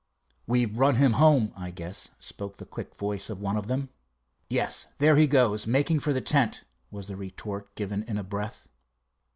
"We've run him home, I guess," spoke the quick voice of one of them. "Yes, there he goes, making for the tent," was the retort given in a breath.